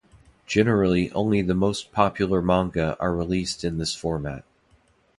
Generally only the most popular manga are released in this format.